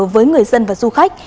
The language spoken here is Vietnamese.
với người dân và du khách